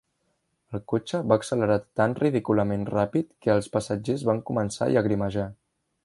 El cotxe va accelerar tan ridículament ràpid que els passatgers van començar a llagrimejar.